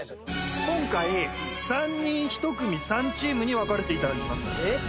今回３人１組３チームに分かれていただきます